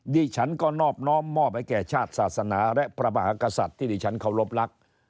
ดิฉันก็นอบน้อมมอบให้แก่ชาติศาสนาและพระมหากษัตริย์ที่ดิฉันเคารพรัก